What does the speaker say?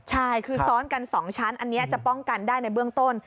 ใช่คือซ้อนกัน๒ชั้นอันนี้จะป้องกันได้ในเบื้องต้น